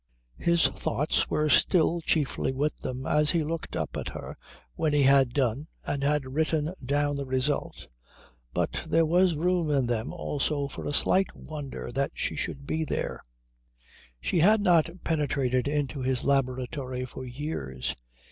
His thoughts were still chiefly with them as he looked up at her when he had done and had written down the result, but there was room in them also for a slight wonder that she should be there. She had not penetrated into his laboratory for years.